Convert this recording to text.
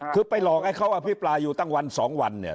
คือไปหลอกให้เขาอภิปรายอยู่ตั้งวันสองวันเนี่ย